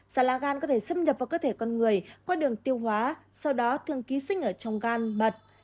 xà lan gan có thể xâm nhập vào cơ thể con người qua đường tiêu hóa sau đó thường ký sinh ở trong gan mật